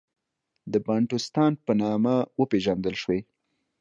د بانټوستان په نامه وپېژندل شوې.